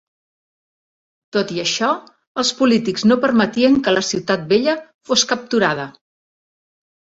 Tot i això, els polítics no permetien que la Ciutat Vella fos capturada.